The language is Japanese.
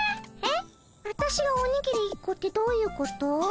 えっわたしがおにぎり１個ってどういうこと？